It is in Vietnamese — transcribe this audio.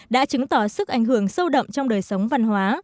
đã chứng tỏ sức ảnh hưởng sâu đậm trong đời sống văn hóa